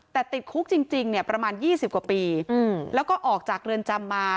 แต่ติดคุกจริงเนี่ยประมาณ๒๐กว่าปีแล้วก็ออกจากเรือนจำมา